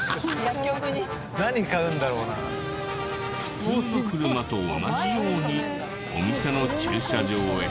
普通の車と同じようにお店の駐車場へ。